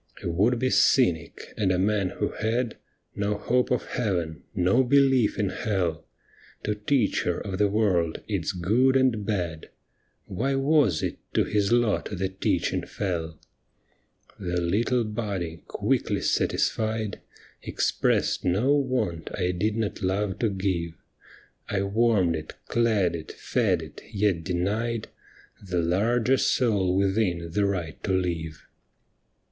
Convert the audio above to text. A would be cynic, and a man who had No hope of Heaven, no belief in Hell, To teach her of the world, its good and bad, Why was it to his lot the teaching fell ? The little body, quickly satisfied. Expressed no want I did not love to give — I warmed it, clad it, fed it, yet denied The larger soul within the right to live.